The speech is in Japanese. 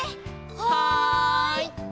はい！